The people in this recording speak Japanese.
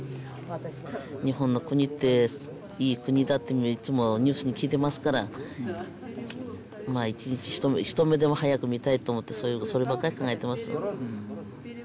日本の国っていい国だっていっつもニュースに聞いてますからひと目でも早く見たいと思ってそればっかり考えてますよ